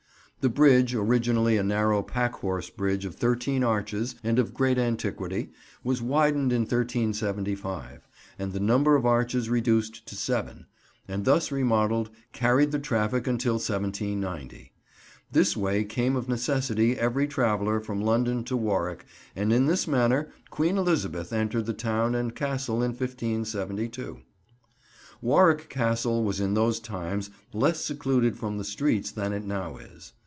The bridge, originally a narrow packhorse bridge of thirteen arches and of great antiquity, was widened in 1375 and the number of arches reduced to seven; and, thus remodelled, carried the traffic until 1790. This way came of necessity every traveller from London to Warwick, and in this manner Queen Elizabeth entered the town and Castle in 1572. Warwick Castle was in those times less secluded from the streets than it now is.